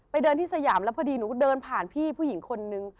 เดินที่สยามแล้วพอดีหนูก็เดินผ่านพี่ผู้หญิงคนนึง